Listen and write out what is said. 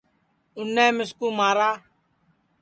اُنیں مِسکُو مارا